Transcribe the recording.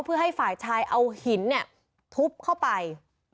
เพื่อให้ฝ่ายชายเอาหินเนี่ยทุบเข้าไป